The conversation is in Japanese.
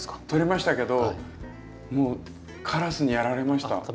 とれましたけどもうカラスにやられました。